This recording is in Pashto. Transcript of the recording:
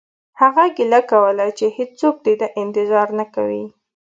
هغه ګیله کوله چې هیڅوک د ده انتظار نه کوي